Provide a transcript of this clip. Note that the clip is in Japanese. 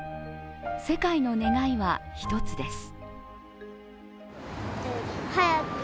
世界の願いは一つです。